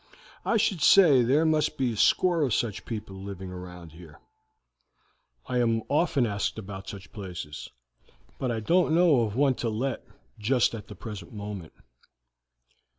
I should say there must be a score of such people living round here. I am often asked about such places, but I don't know of one to let just at the present moment.